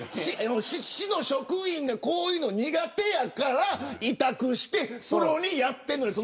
市の職員がこういうの苦手やから委託して、プロにやってもらう。